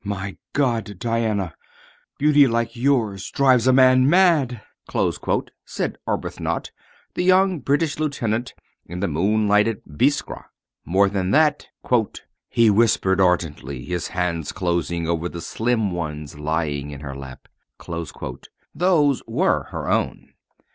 "My God, Diana! Beauty like yours drives a man mad!" said Arbuthnot, the young British lieutenant, in the moonlight at Biskra. More than that, "He whispered ardently, his hands closing over the slim ones lying in her lap." Those were her own.